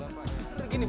bisa digeser gini bu